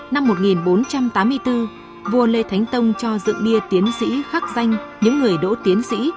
năm một nghìn bốn trăm tám mươi bốn vua lê thánh tông cho rượu bia tiến sĩ khắc danh những người đỗ tiến sĩ